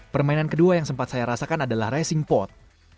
permainan kedua yang sempat saya rasakan adalah racing pot